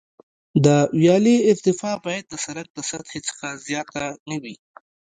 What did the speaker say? د ویالې ارتفاع باید د سرک د سطحې څخه زیاته نه وي